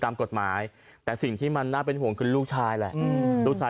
แล้วเราใช้มีบเอามือใหม่อยู่ที่รถแล้วครับ